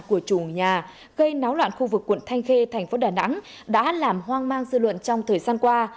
các lực lượng công an của chủ nhà gây náo loạn khu vực quận thanh khê thành phố đà nẵng đã làm hoang mang dư luận trong thời gian qua